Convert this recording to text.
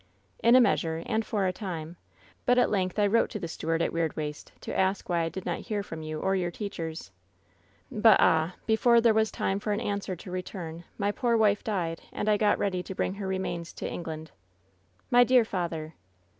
" ^In a measure and for a time ; but at length I wrote to the steward at Weirdwaste to ask why I did not hear from you or your teachers. But, ah ! before there was time for an answer to return my poor wife died, and I got ready to bring her remains to England/ " 'My dear father